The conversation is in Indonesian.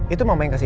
itu mama yang kasih